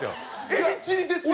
エビチリですやん！